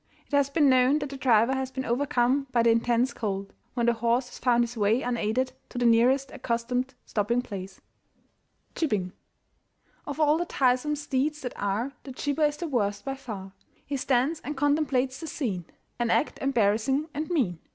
It has been known that the driver has been overcome by the intense cold, when the horse has found his way unaided to the nearest accustomed stopping place. JIBBING. Of all the tiresome steeds that are The jibber is the worst by far. He stands and contemplates the scene An act embarrassing and mean.